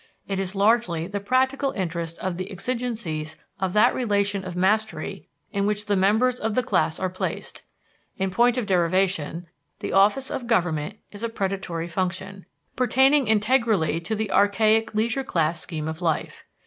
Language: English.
It is largely the practical interest of the exigencies of that relation of mastery in which the members of the class are placed. In point of derivation, the office of government is a predatory function, pertaining integrally to the archaic leisure class scheme of life.